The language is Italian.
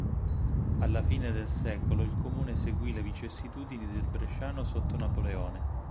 Alla fine del secolo, il comune seguì le vicissitudini del bresciano sotto Napoleone.